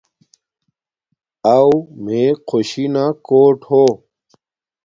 اݸ میے خوشی نا کوٹ ہو